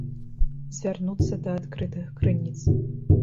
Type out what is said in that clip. Звярнуцца да адкрытых крыніц.